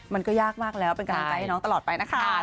มันก็ยากมากแล้วเป็นกำลังใจให้น้องตลอดไปนะคะ